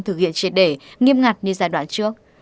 thực hiện triệt để nghiêm ngặt như giai đoạn trước